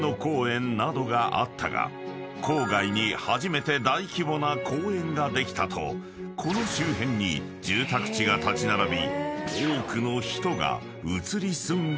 ［郊外に初めて大規模な公園ができたとこの周辺に住宅地が立ち並び］